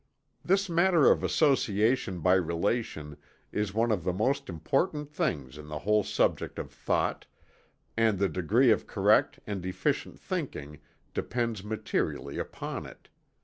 This matter of association by relation is one of the most important things in the whole subject of thought, and the degree of correct and efficient thinking depends materially upon it.